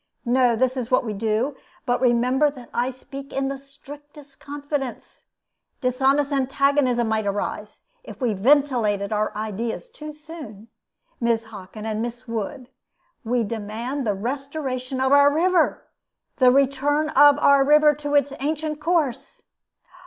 No; this is what we do but remember that I speak in the strictest confidence; dishonest antagonism might arise, if we ventilated our ideas too soon Mrs. Hockin and Miss Wood, we demand the restoration of our river! the return of our river to its ancient course."